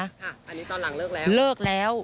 อันนี้ตอนหลังเลิกแล้ว